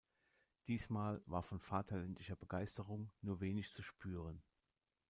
Diesmal war von vaterländischer Begeisterung nur wenig zu spüren.